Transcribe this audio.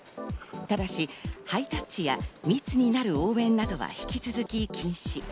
ただし、ハイタッチや密になる応援などは引き続き禁止。